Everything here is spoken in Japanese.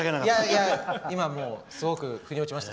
いや、もうすごく腑に落ちました。